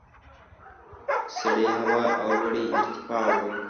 سړې هوا او لوړې ارتفاع وو.